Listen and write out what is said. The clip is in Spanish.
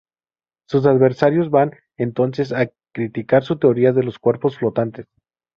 Sus adversarios van entonces a criticar su teoría de los cuerpos flotantes.